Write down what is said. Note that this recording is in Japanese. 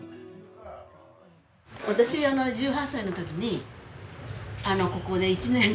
私１８歳の時にここで１年間勤めました。